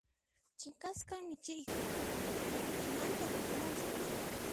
Chinkasqa michiyqa yaraqaymanta kutimusqa.